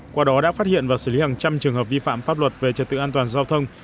qua đó đã phát hiện và xử lý hàng trăm trường hợp vi phạm pháp luật về trật tự an toàn giao thông